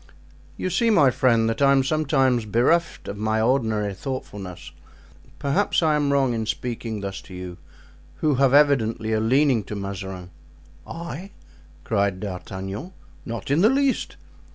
"You see, my poor friend, that I am sometimes bereft of my ordinary thoughtfulness; perhaps I am wrong in speaking thus to you, who have evidently a leaning to Mazarin." "I!" cried D'Artagnan, "not in the least."